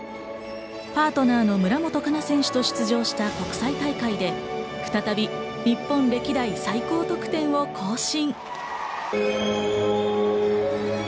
パートナーの村元哉中選手と出場した国際大会で再び日本歴代最高得点を更新。